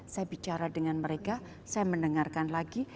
saya bicara dengan mereka saya mendengarkan lagi